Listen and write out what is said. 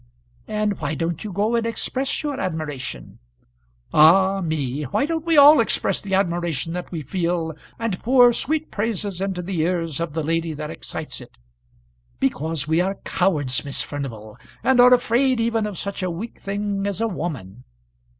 "And why don't you go and express your admiration?" "Ah, me! why don't we all express the admiration that we feel, and pour sweet praises into the ears of the lady that excites it? Because we are cowards, Miss Furnival, and are afraid even of such a weak thing as a woman."